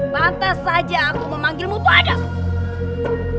pantas saja aku memanggilmu padas